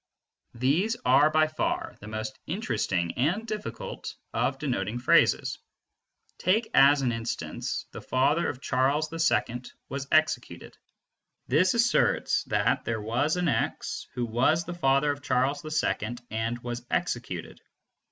These are by far the most interesting and difficult of denoting phrases. Take as an instance "the father of Charles II was executed." This asserts that there was an x who was the father of Charles II and was executed.